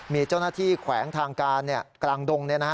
มีเจ้าหน้าที่แขวงทางการกลางดง